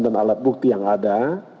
dan alat bukti yang ada